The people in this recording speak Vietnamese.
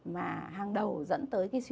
mà hàng đầu dẫn tới các biến chứng